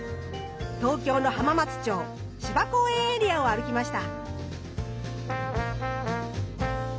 東京の浜松町・芝公園エリアを歩きました。